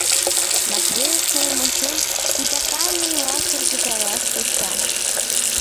Матвеев, мыйым ончен, титакан еҥла шыргыжалаш тӧча.